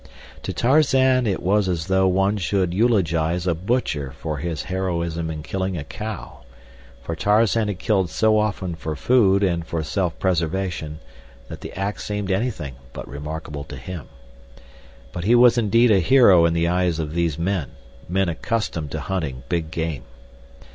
To Tarzan it was as though one should eulogize a butcher for his heroism in killing a cow, for Tarzan had killed so often for food and for self preservation that the act seemed anything but remarkable to him. But he was indeed a hero in the eyes of these men—men accustomed to hunting big game.